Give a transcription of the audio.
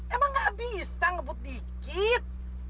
emang gak bisa ngebut dikit